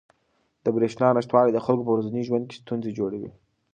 د بریښنا نشتوالی د خلکو په ورځني ژوند کې ستونزې جوړوي.